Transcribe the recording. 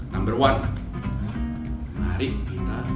nomor satu mari kita terus